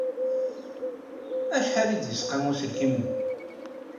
Acḥal ay d-yesqam uselkim-nwen?